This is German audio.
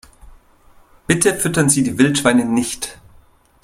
Bitte füttern Sie die Wildschweine nicht!